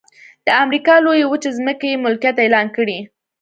د امریکا لویې وچې ځمکې یې ملکیت اعلان کړې.